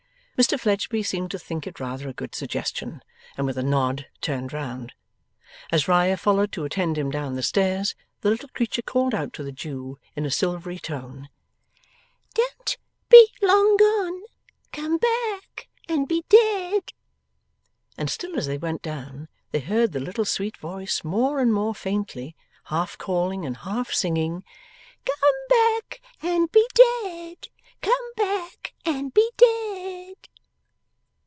Mr Fledgeby seemed to think it rather a good suggestion, and with a nod turned round. As Riah followed to attend him down the stairs, the little creature called out to the Jew in a silvery tone, 'Don't be long gone. Come back, and be dead!' And still as they went down they heard the little sweet voice, more and more faintly, half calling and half singing, 'Come back and be dead, Come back and be dead!